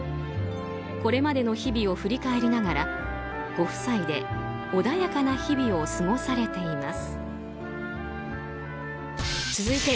これまでの日々を振り返りながらご夫妻で穏やかな日々を過ごされています。